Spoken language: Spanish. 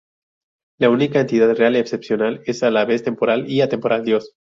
La única entidad real excepcional es a la vez temporal y atemporal: Dios.